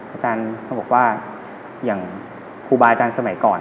อาจารย์เขาบอกว่าอย่างครูบาอาจารย์สมัยก่อน